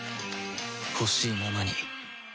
ほしいままに